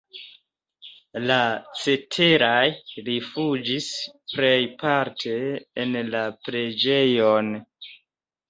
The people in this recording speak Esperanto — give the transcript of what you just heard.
La ceteraj rifuĝis plejparte en la preĝejon.